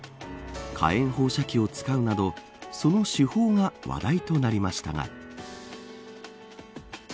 火炎放射器を使うなどその手法が話題となりましたが。